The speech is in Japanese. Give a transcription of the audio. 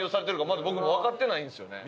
まだ僕もわかってないんですよね。